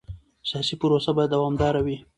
سیاسي پروسه باید دوامداره وي